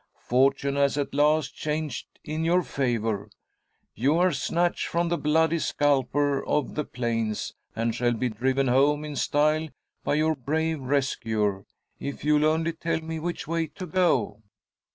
Fortune has at last changed in your favour. You are snatched from the bloody scalper of the plains, and shall be driven home in style by your brave rescuer, if you'll only tell me which way to go."